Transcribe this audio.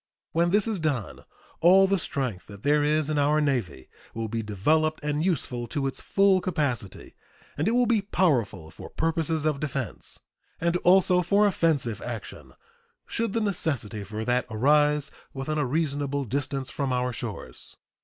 When this is done, all the strength that there is in our Navy will be developed and useful to its full capacity, and it will be powerful for purposes of defense, and also for offensive action, should the necessity for that arise within a reasonable distance from our shores.